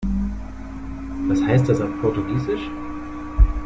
Was heißt das auf Portugiesisch?